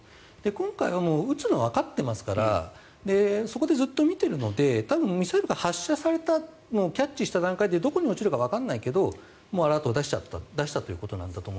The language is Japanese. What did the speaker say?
今回は撃つのはわかっていますからそこでずっと見ているのでミサイルが発射されたキャッチした段階でどこに落ちるかわからないけどアラートを出したと。